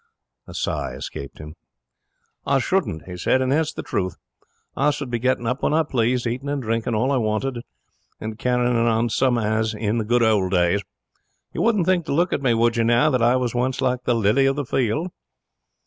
A sigh escaped him. 'I shouldn't,' he said, 'and that's the truth. I should be getting up when I pleased, eating and drinking all I wanted, and carrying on same as in the good old days. You wouldn't think, to look at me, would you now, that I was once like the lily of the field?'